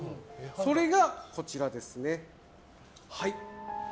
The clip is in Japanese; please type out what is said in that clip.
それが、こちらです。